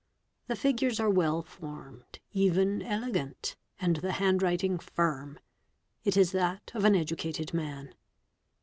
The figures are well formed, even elegant, — and the handwriting firm; it is that of an educated man.